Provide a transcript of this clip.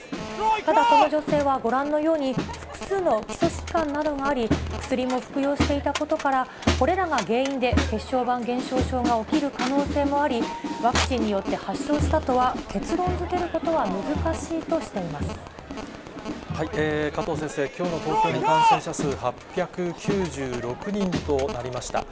ただ、この女性はご覧のように、複数の基礎疾患などがあり、薬も服用していたことから、これらが原因で、血小板減少症が起きる可能性もあり、ワクチンによって発症したとは結論づけることは難しいとしていま加藤先生、きょうの東京の感染者数、８９６人となりました。